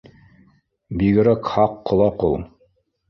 Бигерәк һаҡ ҡолаҡ ул